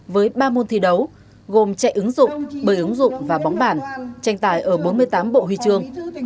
với ba môn thi đấu gồm chạy ứng dụng bơi ứng dụng và bóng bản tranh tài ở bốn mươi tám bộ huy chương